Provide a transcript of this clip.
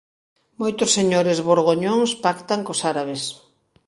Moitos señores borgoñóns pactan cos árabes.